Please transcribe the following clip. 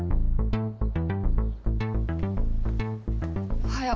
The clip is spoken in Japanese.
おはよう。